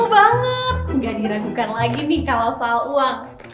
gak diragukan lagi nih kalau soal uang